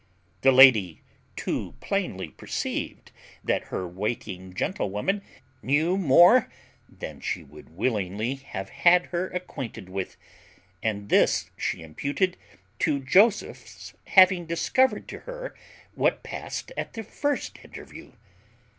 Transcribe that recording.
The lady too plainly perceived that her waiting gentlewoman knew more than she would willingly have had her acquainted with; and this she imputed to Joseph's having discovered to her what passed at the first interview.